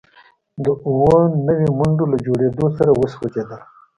د اووه نوي منډو له جوړیدو سره وسوځیدل